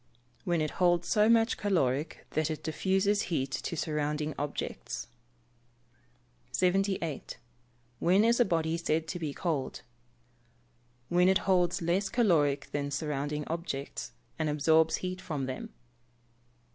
_ When it holds so much caloric that it diffuses heat to surrounding objects. 78. When is a body said to be cold? When it holds less caloric than surrounding objects, and absorbs heat from them.